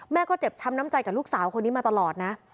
แม่ก็เจ็บช้ำน้ำใจกับลูกสาวคนนี้มาตลอดนะ